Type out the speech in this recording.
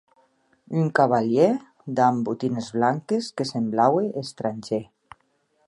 Un cavalièr damb botines blanques que semblaue estrangèr.